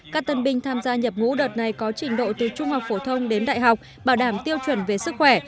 các tân binh tham gia nhập ngũ đợt này có trình độ từ trung học phổ thông đến đại học bảo đảm tiêu chuẩn về sức khỏe